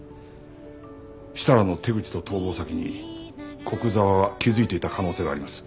設楽の手口と逃亡先に古久沢は気づいていた可能性があります。